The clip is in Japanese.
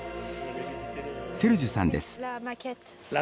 セルジュさんです。